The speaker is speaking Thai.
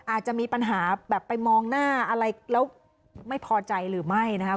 อาจจะมีปัญหาแบบไปมองหน้าอะไรแล้วไม่พอใจหรือไม่นะครับ